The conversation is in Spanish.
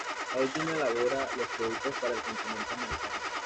La última elabora los productos para el continente americano.